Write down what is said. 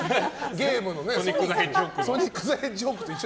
ゲームのね。